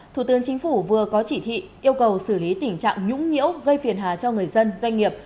thủ tướng chính phủ vừa có chỉ thị yêu cầu xử lý tình trạng nhũng nhiễu gây phiền hà cho người dân doanh nghiệp